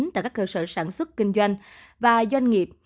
tại các cơ sở sản xuất kinh doanh và doanh nghiệp